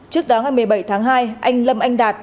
trước đó ngày một mươi bảy tháng hai anh lâm anh đạt